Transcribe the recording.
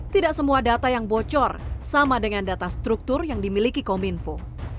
tidak semua data yang bocor sama dengan data struktur yang dimiliki kominfo